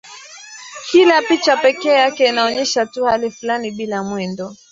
Kila picha pekee yake inaonyesha tu hali fulani bila mwendo.